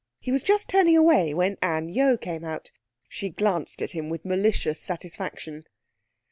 He was just turning away when Anne Yeo came out. She glanced at him with malicious satisfaction.